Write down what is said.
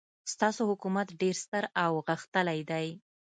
ستاسو حکومت ډېر ستر او غښتلی دی.